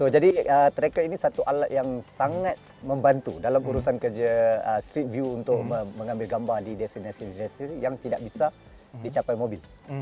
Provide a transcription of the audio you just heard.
tracker ini satu alat yang sangat membantu dalam urusan kerja street view untuk mengambil gambar di destinasi destinasi yang tidak bisa dicapai mobil